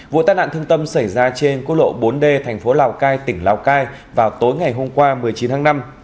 vụ tai nạn thương tâm xảy ra trên quốc lộ bốn d thành phố lào cai tỉnh lào cai vào tối ngày hôm qua một mươi chín tháng năm